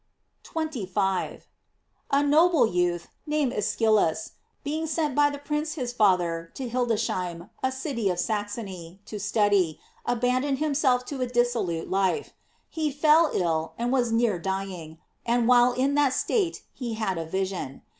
J 25. — A noble youth, named Eschylus, being Bent by the prince his Father to Hildesheim, a city of Saxony, to study, abandoned himself to a dissolute life. He fell ill, and was near dying, and while in that state he had a vision.